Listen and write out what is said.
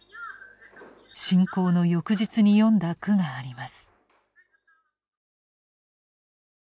侵攻の翌日に詠んだ句があります。